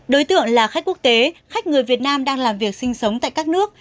đối tượng là khách quốc tế khách người việt nam đang làm việc sinh sống tại các nước